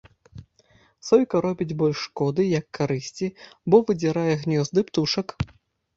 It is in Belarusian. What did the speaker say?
Сойка робіць больш шкоды, як карысці, бо выдзірае гнёзды птушак.